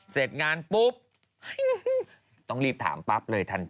เสร็จงานปุ๊บต้องรีบถามปั๊บเลยทันที